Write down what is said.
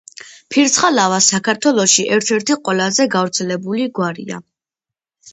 ფირცხალავა საქართველოში ერთ-ერთი ყველაზე გავრცელებული გვარია.